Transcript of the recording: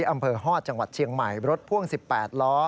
อำเภอฮอตจังหวัดเชียงใหม่รถพ่วง๑๘ล้อ